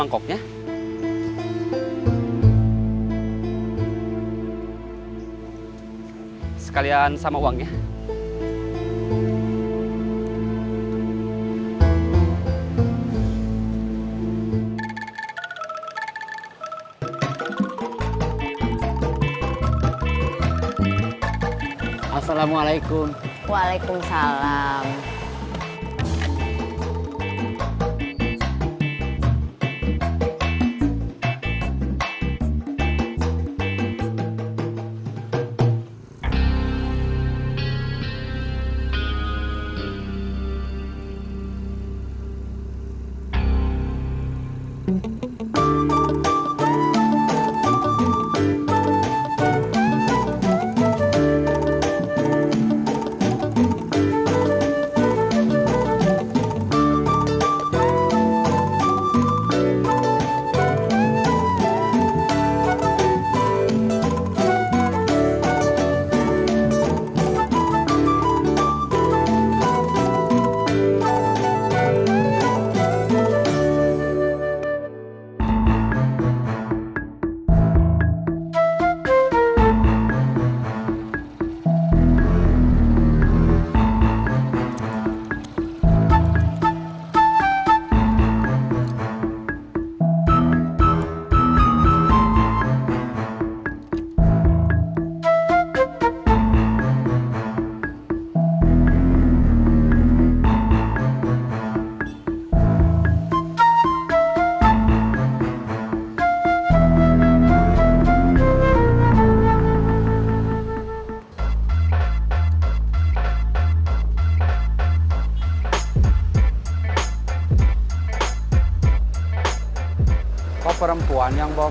assalamualaikum wr wb